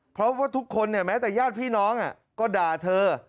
เพราะว่าทุกคนเนี่ยแม้แต่ญาติพี่น้องก็ด่าเธอ